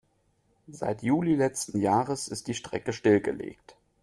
Seit Juli letzten Jahres ist die Strecke stillgelegt.